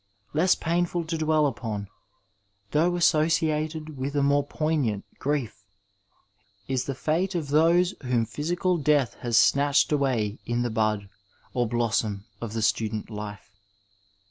Less painful to dwell upon, though associated with a more poignant grief, is the fate of those whom physical death has snatched away in the bud or blossom of the student life.